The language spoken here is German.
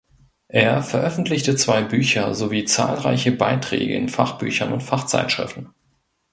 Er veröffentlichte zwei Bücher sowie zahlreiche Beiträge in Fachbüchern und Fachzeitschriften.